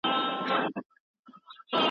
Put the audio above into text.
کندهار ډېر ښايسته انار او انګور لري